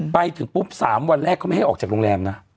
ไปถึงปุ๊บ๓วันแรกเขาไม่ให้ออกจากโรงแรมนะ